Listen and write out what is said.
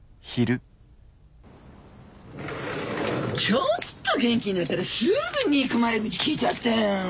ちょっと元気になったらすぐ憎まれ口きいちゃって。